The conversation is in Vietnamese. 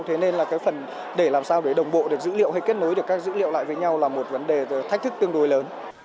thế nên là cái phần để làm sao để đồng bộ được dữ liệu hay kết nối được các dữ liệu lại với nhau là một vấn đề thách thức tương đối lớn